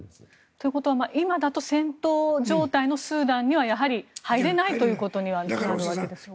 ということは今だと戦闘状態のスーダンには入れないということになるわけでしょうか。